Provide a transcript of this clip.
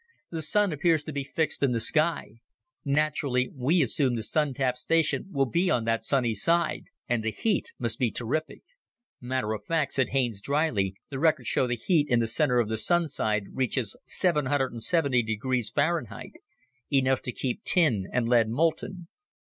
The Sun appears to be fixed in the sky. Naturally, we assume the Sun tap station will be on that sunny side. And the heat must be terrific." "Matter of fact," said Haines dryly, "the records show the heat in the center of the Sun side reaches 770° Fahrenheit. Enough to keep tin and lead molten."